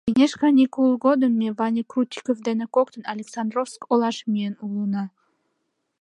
— Кеҥеж каникул годым ме Ваня Крутиков дене коктын Александровск олаш миен улына.